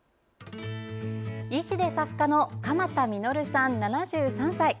医師で作家の鎌田實さん、７３歳。